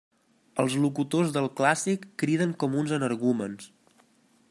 Els locutors del clàssic criden com uns energúmens.